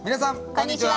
こんにちは。